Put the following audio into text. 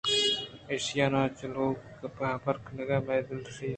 ایشان پہ چلوپگی ءُگپ ءُحبر کنگ ءَ مئے دل ریش کُتگ